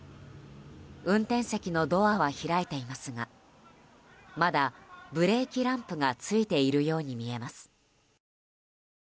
運転席のドアは開いていますがまだブレーキランプがついているように見えます。